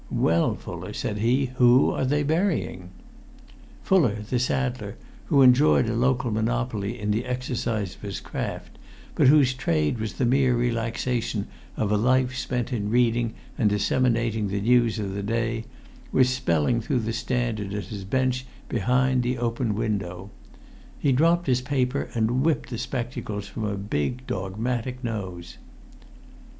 "Well, Fuller," said he, "who are they burying?" [Pg 7]Fuller, the saddler, who enjoyed a local monopoly in the exercise of his craft, but whose trade was the mere relaxation of a life spent in reading and disseminating the news of the day, was spelling through the Standard at his bench behind the open window. He dropped his paper and whipped the spectacles from a big dogmatic nose.